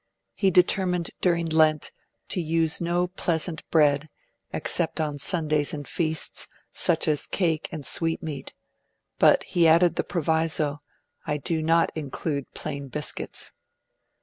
He determined during Lent 'to use no pleasant bread (except on Sundays and feasts) such as cake and sweetmeat'; but he added the proviso 'I do not include plain biscuits'.